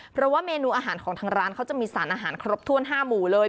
เพราะว่าเมนูอาหารของทางร้านเขาจะมีสารอาหารครบถ้วน๕หมู่เลย